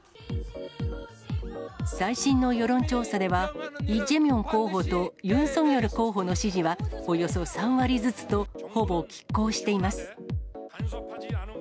最新の世論調査では、イ・ジェミョン候補と、ユン・ソギョル候補の支持はおよそ３割ずつと、ほぼきっ抗しています。